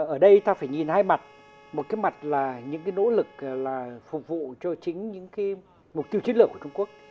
ở đây ta phải nhìn hai mặt một cái mặt là những nỗ lực phục vụ cho chính những mục tiêu chiến lược của trung quốc